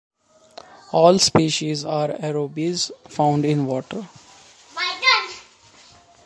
All species are aerobes found in water.